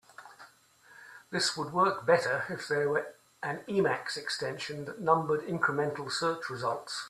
This would work better if there were an Emacs extension that numbered incremental search results.